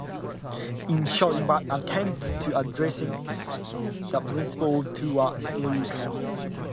In short, it attempts to address the principle of who or what really counts.